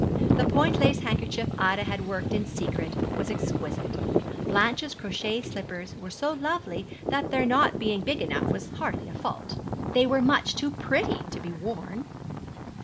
The point lace handkerchief Ida had worked in secret was exquisite. Blanche's crochet slippers were so lovely that their not being big enough was hardly a fault. They were much too pretty to be worn.